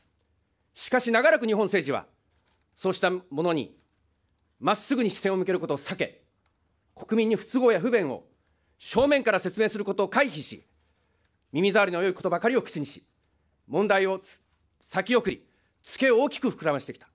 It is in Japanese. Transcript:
しかし、長らく日本政治は、そうしたものにまっすぐに視線を向けることを避け、国民に不都合や不便を正面から説明することを回避し、耳ざわりのよいことばかりを口にし、問題を先送り、付けを大きく膨らませてきた。